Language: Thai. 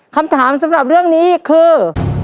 คำถามสำหรับเรื่องนี้คือ